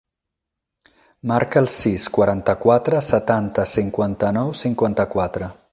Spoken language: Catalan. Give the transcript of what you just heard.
Marca el sis, quaranta-quatre, setanta, cinquanta-nou, cinquanta-quatre.